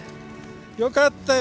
よかったよ